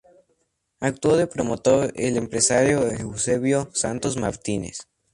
Actuó de promotor el empresario Eusebio Santos Martínez.